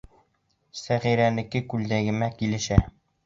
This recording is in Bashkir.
Сәғирәнеке күлдәгемә килешә!..